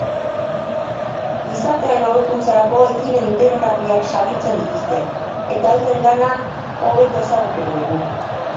Gizartearen hobekuntzarako ekimen interesgarriak saritzen dituzte, eta euren lana hobeto ezagutuko dugu.